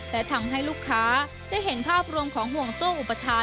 และทำให้ลูกค้าได้เห็นภาพรวมของห่วงโซ่อุปทาน